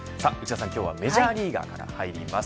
今日はメジャーリーガーから入ります。